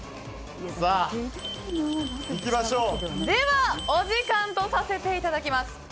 ではお時間とさせていただきます。